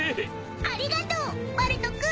ありがとうバルト君！